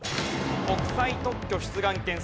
国際特許出願件数